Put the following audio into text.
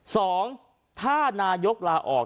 สองถ้านายกลาออก